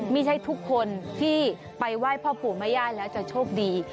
ไม่ใช่ทุกคนที่ไปไหว้พ่อปู่แม่ย่ายแล้วจะโชคดี